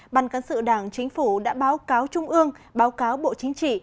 ban cán sự đảng chính phủ đã báo cáo trung ương báo cáo bộ chính trị